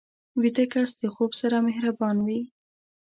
ویده کس د خوب سره مهربان وي